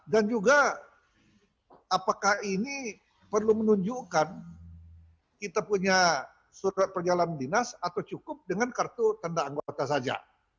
dan juga apakah ini perlu menunjukkan kita punya surat perjalanan dinas atau cukup dengan kartu tanda anggota saja